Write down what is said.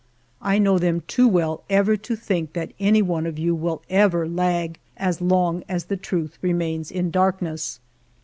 I know them too well ever to think that any one of you will ever lag as long as the truth remains in darkness.